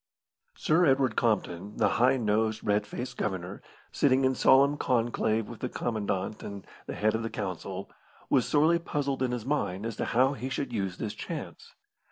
Sir Edward Compton, the high nosed, red faced Governor, sitting in solemn conclave with the commandant and the head of the council, was sorely puzzled in his mind as to how he should use this chance.